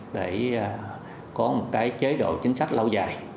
để có một chế độ chính sách lâu dài